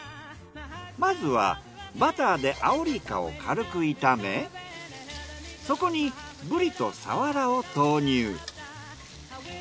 まずはバターでアオリイカを軽く炒めそこにブリとサワラを投入。